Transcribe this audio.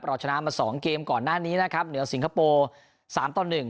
เราชนะมาสองเกมก่อนหน้านี้นะครับเหนือสิงคโปร์สามตอนหนึ่ง